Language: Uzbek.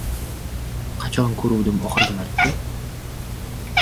Qachon ko‘ruvdim oxirgi marta?